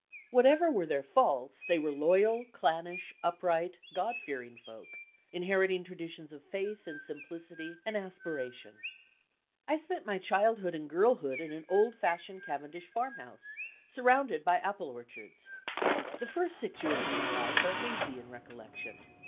Whatever were their faults, they were loyal, clannish, upright. God fearing folk, inheriting tradi tions of faith and simplicity and aspiration. D,i„Mb, Google I spent my childhood and girlhood in an old fashioned Cavendish farmhouse, surrounded by apple orchards. The first six years of my life are hazy in recollection.